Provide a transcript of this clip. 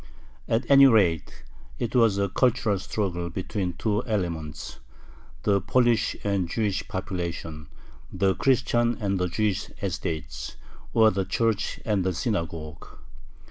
At any rate, it was a cultural struggle between two elements: the Polish and the Jewish population, the Christian and the Jewish estates, or the Church and the Synagogue.